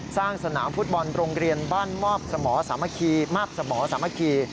สร้างสนามฟุตบอลโรงเรียนบ้านมาบสมสามัคคี